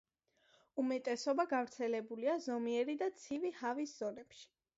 უმეტესობა გავრცელებულია ზომიერი და ცივი ჰავის ზონებში.